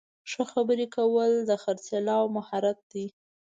ښه خبرې کول د خرڅلاو مهارت دی.